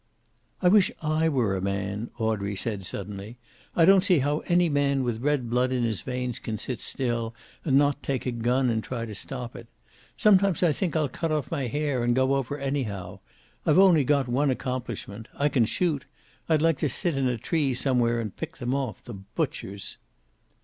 "I wish I were a man," Audrey said' suddenly. "I don't see how any man with red blood in his veins can sit still, and not take a gun and try to stop it. Sometimes I think I'll cut off my hair, and go over anyhow. I've only got one accomplishment. I can shoot. I'd like to sit in a tree somewhere and pick them off. The butchers!"